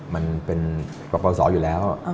มันเป็นปปศอยู่แล้ว